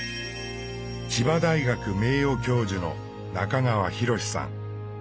千葉大学名誉教授の中川裕さん。